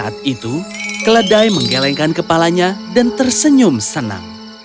saat itu keledai menggelengkan kepalanya dan tersenyum senang